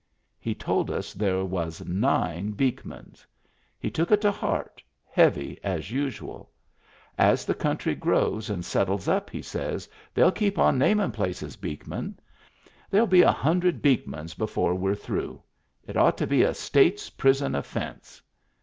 He told us there was nine Beekmans. He took it to heart heavy, as usual. " As the coun try grows and settles up," he says, " they'll keep on namin' places Beekman. Therell be a hun dred Beekmans before we're through. It ought to be a state's prison ofifence."